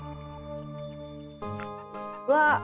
うわっ！